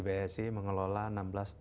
bsc mengelola enam belas juta